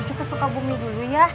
cucu kesuka bumi dulu ya